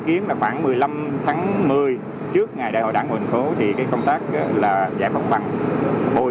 kiến là khoảng một mươi năm tháng một mươi trước ngày đại hội đảng huyền phố thì cái công tác là giải phóng bằng bồi